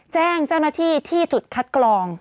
แจ้งเจ้าหน้าที่ที่จุดคัดกรอง